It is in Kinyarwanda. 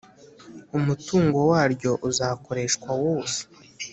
Umutungo Waryo Uzakoreshwa wose